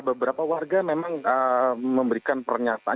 beberapa warga memang memberikan pernyataan